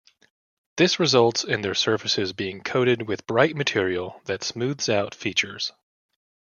This results in their surfaces being coated with bright material that smooths out features.